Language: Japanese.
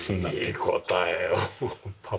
いい答えをパパ。